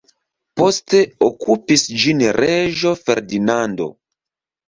Poste okupis ĝin reĝo Ferdinando.